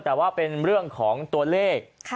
แต่ว่าเป็นเรื่องของตัวเลข